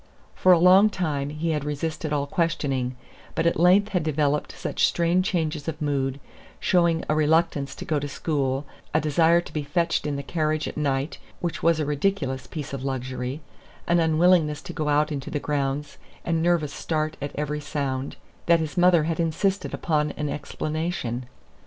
For a long time he had resisted all questioning, but at length had developed such strange changes of mood, showing a reluctance to go to school, a desire to be fetched in the carriage at night, which was a ridiculous piece of luxury, an unwillingness to go out into the grounds, and nervous start at every sound, that his mother had insisted upon an explanation.